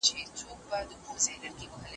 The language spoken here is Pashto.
زه به زدکړه کړې وي!